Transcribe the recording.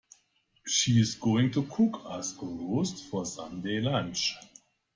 She is going to cook us a roast for Sunday lunch